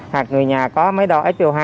hoặc người nhà có máy đo f hai